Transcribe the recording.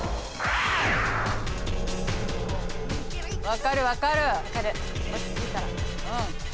分かる分かる。